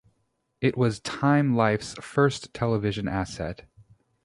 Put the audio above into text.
It was Time-Life's first television asset.